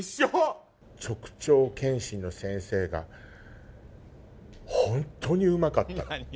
直腸検診の先生が、本当にうまかったの。